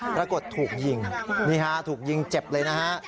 ปรากฏถูกยิงนี่ฮะถูกยิงเจ็บเลยนะฮะ